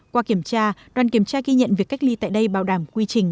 qua kiểm tra đoàn kiểm tra ghi nhận việc cách ly tại đây bằng